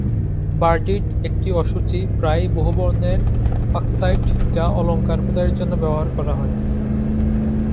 ভার্ডিট একটি অশুচি, প্রায়ই বহুবর্ণের ফাকসাইট যা অলঙ্কার খোদাইয়ের জন্য ব্যবহার করা হয়।